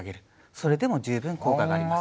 それでも十分効果があります。